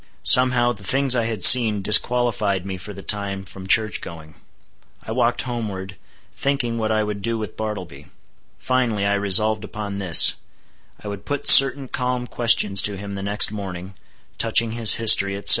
Somehow, the things I had seen disqualified me for the time from church going. I walked homeward, thinking what I would do with Bartleby. Finally, I resolved upon this;—I would put certain calm questions to him the next morning, touching his history, etc.